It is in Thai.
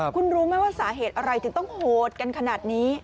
คุณรู้ไหมว่าสาเหตุอะไรถึงต้องโหดกันขนาดนี้